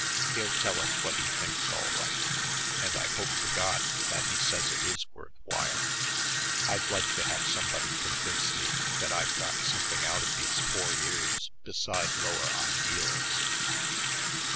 He'll tell us what he thinks all right, and I hope to God that he says it is worth while. I'd like to have somebody convince me that I've got something out of these four years beside lower ideals.